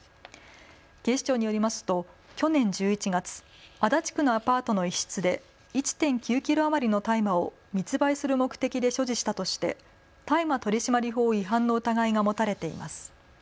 警視庁によりますと去年１１月、足立区のアパートの一室で１．９キロ余りの大麻を密売する目的で所持したとして大麻取締法違反の疑いが持たれています。